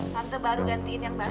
tante baru gantiin yang baru